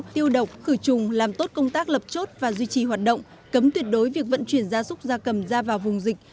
tiêu độc khử trùng làm tốt công tác lập chốt và duy trì hoạt động cấm tuyệt đối việc vận chuyển gia súc gia cầm ra vào vùng dịch